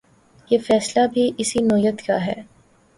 یہ فیصلہ بھی اسی نوعیت کا ہے۔